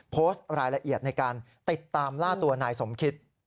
โพสต์รายละเอียดในการติดตามล่าตัวนายสมคิต